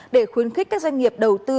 để khuyến khích các doanh nghiệp đầu tư